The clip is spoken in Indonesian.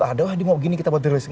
aduh mau begini kita buat release